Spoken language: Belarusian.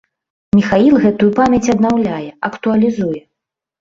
Міхаіл гэтую памяць аднаўляе, актуалізуе.